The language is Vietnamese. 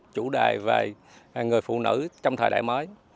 chủ đề về người phụ nữ trong thời đại mới